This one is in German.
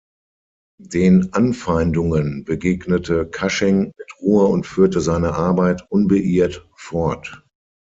Den Anfeindungen begegnete Cushing mit Ruhe und führte seine Arbeit unbeirrt fort.